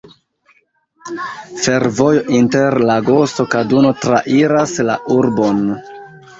Fervojo inter Lagoso-Kaduno trairas la urbon.